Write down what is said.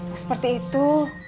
oh seperti itu